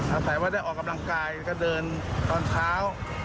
อาศัยว่าได้ออกกำลังกายแล้วก็เดินตอนเช้า